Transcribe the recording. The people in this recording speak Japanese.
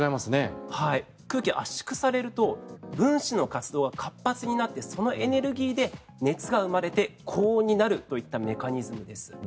空気が圧縮されると分子の活動は活発になってそのエネルギーで熱が生まれて高温になるといったメカニズムです。